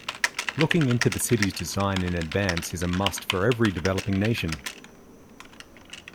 Looking into the cities design in advance is a must for every developing nation.